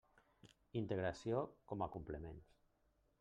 Integració com a complements.